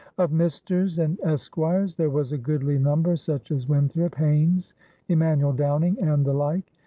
Of "Misters" and "Esquires" there was a goodly number, such as Winthrop, Haynes, Emanuel Downing, and the like.